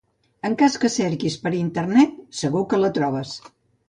En cas que cerquis per internet, segur que la trobes.